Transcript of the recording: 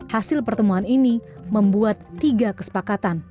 hasil pertemuan ini membuat tiga kesepakatan